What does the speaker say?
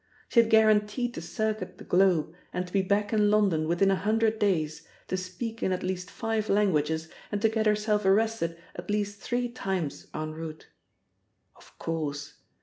She had guaranteed to circuit the globe and to be back in London within a hundred days, to speak in at least five languages, and to get herself arrested at least three times en route. Of course!